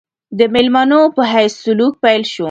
د مېلمنو په حیث سلوک پیل شو.